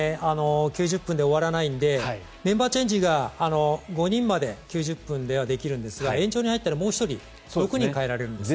９０分で終わらないのでメンバーチェンジが５人まで９０分ではできるんですが延長に入ったら、もう１人６人代えられるんですね。